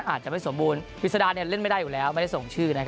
อาจจะไม่สมบูรณกฤษฎาเล่นไม่ได้อยู่แล้วไม่ได้ส่งชื่อ